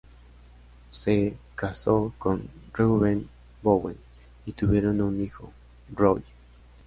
Se casó con Reuben Bowen y tuvieron un hijo, Roy.